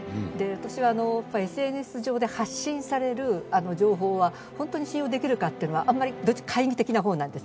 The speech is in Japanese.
私はＳＮＳ上で発信される情報は本当に信用できるかというのは、あんまり懐疑的な方なんです。